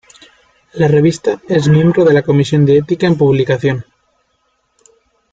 La revista es miembro de la Comisión de Ética en Publicación.